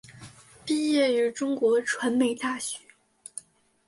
毕业于中国传媒大学。